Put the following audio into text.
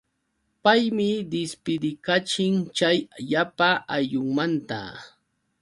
Paymi dispidikachin chay llapa ayllunmanta.